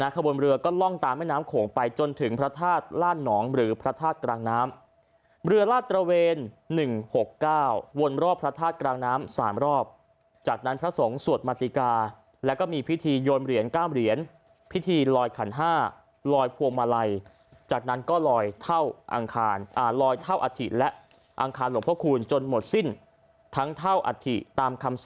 ขบวนเรือก็ล่องตามแม่น้ำโขงไปจนถึงพระธาตุล่านหนองหรือพระธาตุกลางน้ำเรือลาดตระเวน๑๖๙วนรอบพระธาตุกลางน้ำ๓รอบจากนั้นพระสงฆ์สวดมาติกาแล้วก็มีพิธีโยนเหรียญก้ามเหรียญพิธีลอยขัน๕ลอยพวงมาลัยจากนั้นก็ลอยเท่าอังคารลอยเท่าอาถิและอังคารหลวงพระคูณจนหมดสิ้นทั้งเท่าอธิตามคำส